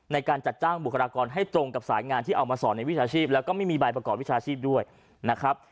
ในการจัดจ้างบุคลากรให้ตรงกับสายงานที่เอามาสอนในวิชาชีพแล้วก็ไม่มีใบประกอบวิชาชีพด้วยนะครับ